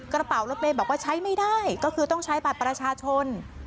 กระเป๋ารถเมย์บอกว่าใช้ไม่ได้ก็คือต้องใช้บัตรประชาชน